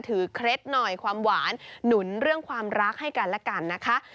เคล็ดหน่อยความหวานหนุนเรื่องความรักให้กันและกันนะคะ